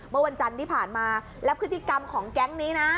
เมื่อวันจันทร์ที่ผ่านมาแล้วพฤติกรรมของแก๊งนี้นะ